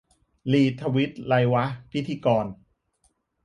"รีทวีต ไรวะ" - พิธีกร